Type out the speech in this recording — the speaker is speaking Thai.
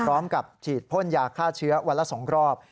พร้อมกับฉีดพ่นยาฆ่าเชื้อวันละ๒รอบ